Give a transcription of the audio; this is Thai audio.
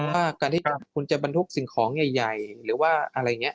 ว่าการที่คุณจะบรรทุกสิ่งของใหญ่หรือว่าอะไรอย่างนี้